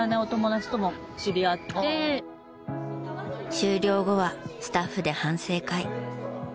終了後はスタッフで反省会。